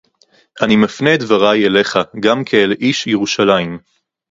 אני מפנה את דברי אליך גם כאל איש ירושלים